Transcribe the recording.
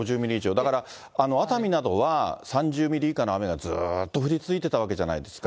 だから、熱海などは、３０ミリ以下の雨がずっと降り続いてたわけじゃないですか。